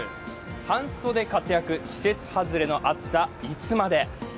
半袖活躍、季節外れの暑さいつまで。